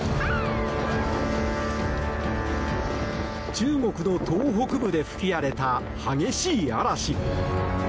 中国の東北部で吹き荒れた激しい嵐。